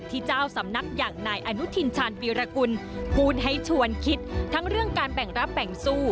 ที่เจ้าสำนักอย่างนายอนุทินชาญวีรกุลพูดให้ชวนคิดทั้งเรื่องการแบ่งรับแบ่งสู้